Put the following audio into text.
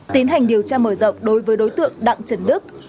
tiến hành điều tra mở rộng đối với đối tượng đặng trần đức